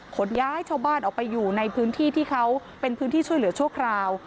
ขนย้ายชาวบ้านออกไปอยู่ในพื้นที่ที่เขาเป็นพื้นที่ช่วยเหลือชั่วคราว